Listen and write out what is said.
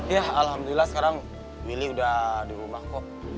ya alhamdulillah sekarang milih udah di rumah kok